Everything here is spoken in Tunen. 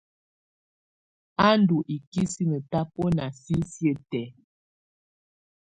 A ndù ikisinǝ tabɔna sisiǝ́ tɛ̀á.